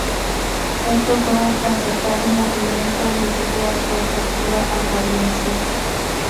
Esto fue un acertado movimiento debido a su atractiva apariencia.